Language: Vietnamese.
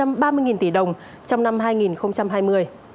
và dự kiến sẽ đạt gần một trăm ba mươi tỷ đồng trong năm hai nghìn hai mươi